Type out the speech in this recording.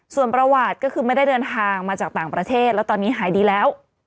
ส่วนประวัติก็คือไม่ได้เดินทางมาจากต่างประเทศแล้วตอนนี้หายดีแล้ว